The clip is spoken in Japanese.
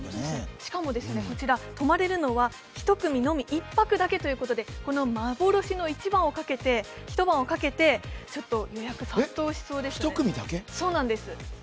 しかもこちら、泊まれるのは１組のみ、１泊のみということで、この幻の一晩をかけて予約が殺到しそうです。